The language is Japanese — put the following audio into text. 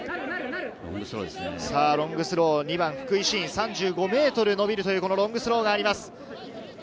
ロングスロー、２番・福井槙、３５ｍのびるというロングスローがあります。